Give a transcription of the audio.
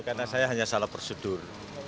karena saya hanya salah prosedur